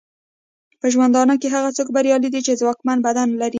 په ژوندانه کې هغه څوک بریالی دی چې ځواکمن بدن لري.